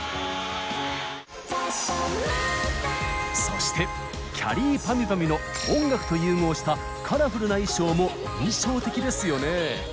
そしてきゃりーぱみゅぱみゅの音楽と融合したカラフルな衣装も印象的ですよね。